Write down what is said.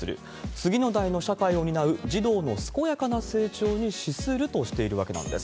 次の代の社会を担う児童の健やかな成長に資するとしているわけなんです。